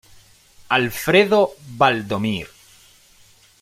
Alfredo Baldomir.